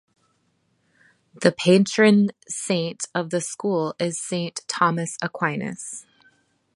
The patron saint of the school is Saint Thomas Aquinas.